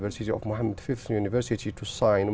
để đặt một tên tự nhiên với hnu